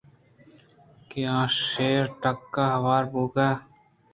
کہ آ شیر ءِ ٹَکّ ءَ ہور بُوئگا اِنت